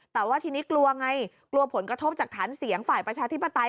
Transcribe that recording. แต่ว่าทีนี้กลัวไงกลัวผลกระทบจากฐานเสียงฝ่ายประชาธิปไตย